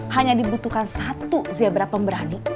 hanya dibutuhkan satu zebra pemberani